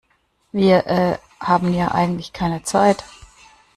Wir, äh, haben ja eigentlich keine Zeit.